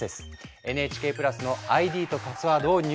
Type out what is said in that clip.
ＮＨＫプラスのＩＤとパスワードを入力